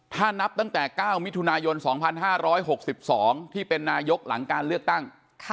ถ้านับตั้งแต่๙มิถุนายน๒๕๖๒ที่เป็นนายกหลังการเลือกตั้ง